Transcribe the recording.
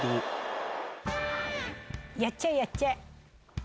やっちゃえやっちゃえ。